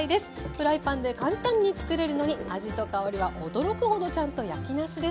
フライパンで簡単に作れるのに味と香りは驚くほどちゃんと焼きなすです。